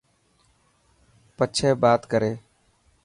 پڇي بات ڪري.